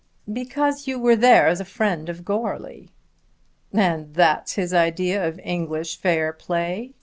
"Because you went there as a friend of Goarly." "And that's his idea of English fair play?"